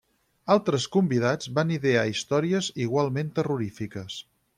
Altres convidats van idear històries igualment terrorífiques.